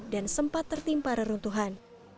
dan sempat tertimpa reruntuhan